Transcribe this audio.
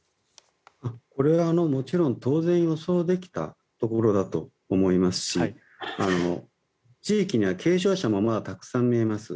これ、もちろん当然予想できたところだと思いますし地域には軽症者もまだたくさん見えます。